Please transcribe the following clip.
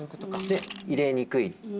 で入れにくい。